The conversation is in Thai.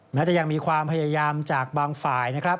แม้จะยังมีความพยายามจากบางฝ่ายนะครับ